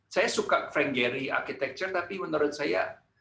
saya suka frank gary architecture tapi menurut saya